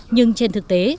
nhưng trên thực tế